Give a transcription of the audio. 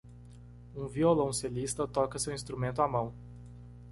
Um violoncelista toca seu instrumento à mão.